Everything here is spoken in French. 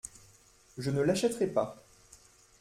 Je ne l’achèterai pas.